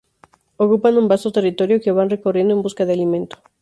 Ocupan un vasto territorio que van recorriendo en busca de alimento.